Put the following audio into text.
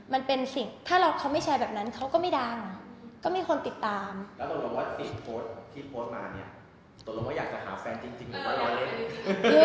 พี่โพสต์มาเนี่ยตกลงว่าอยากจะหาแฟนจริงเหมือนว่าเราเล่น